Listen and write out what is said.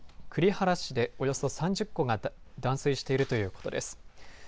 栗原市でおよそ３０戸が断水しているということです。